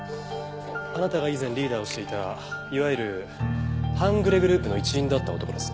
あなたが以前リーダーをしていたいわゆる半グレグループの一員だった男です。